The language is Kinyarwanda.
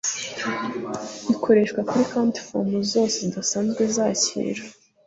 Bikoreshwa kuri cautels form zose zidasanzwe zakira